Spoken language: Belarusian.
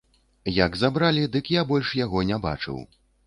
Як забралі, дык я больш яго не бачыў.